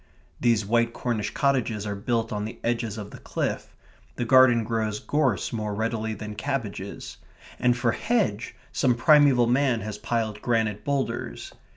These white Cornish cottages are built on the edge of the cliff; the garden grows gorse more readily than cabbages; and for hedge, some primeval man has piled granite boulders.